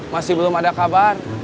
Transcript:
masih belum ada kabar